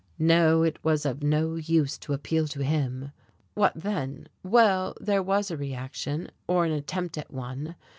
No, it was of no use to appeal to him. What then? Well, there was a reaction, or an attempt at one.